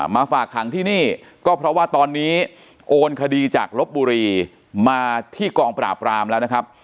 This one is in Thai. ฝากขังที่นี่ก็เพราะว่าตอนนี้โอนคดีจากลบบุรีมาที่กองปราบรามแล้วนะครับ